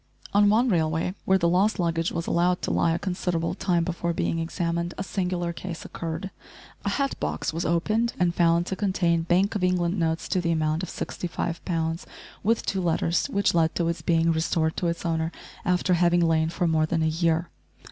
On one railway where the lost luggage was allowed to lie a considerable time before being examined a singular case occurred. A hat box was opened and found to contain Bank of England notes to the amount of 65 pounds, with two letters, which led to its being restored to its owner after having lain for more than a year.